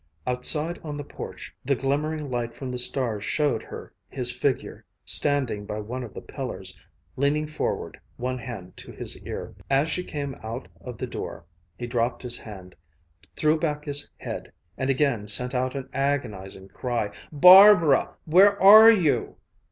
Outside on the porch, the glimmering light from the stars showed her his figure, standing by one of the pillars, leaning forward, one hand to his ear. As she came out of the door, he dropped his hand, threw back his head, and again sent out an agonizing cry "Bar ba ra! Where are you?"